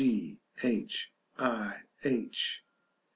g. h. i. h.